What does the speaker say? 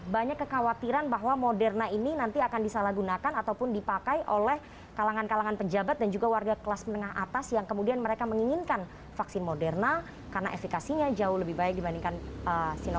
banyak kekhawatiran bahwa moderna ini nanti akan disalahgunakan ataupun dipakai oleh kalangan kalangan pejabat dan juga warga kelas menengah atas yang kemudian mereka menginginkan vaksin moderna karena efekasinya jauh lebih baik dibandingkan sinovac